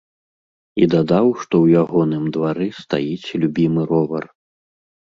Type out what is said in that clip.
І дадаў, што ў ягоным двары стаіць любімы ровар.